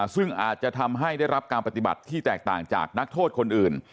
ซึ่งอาจจะทำให้ได้รับการปฏิบัติที่แตกต่างจากนักโทษคนอื่น